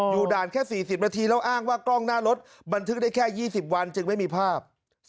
ด่านแค่๔๐นาทีแล้วอ้างว่ากล้องหน้ารถบันทึกได้แค่๒๐วันจึงไม่มีภาพ